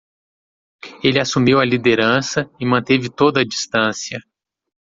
Ele assumiu a liderança e manteve toda a distância.